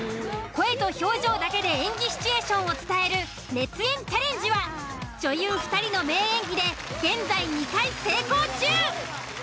声と表情だけで演技シチュエーションを伝える熱演チャレンジは女優２人の名演技で現在２回成功中！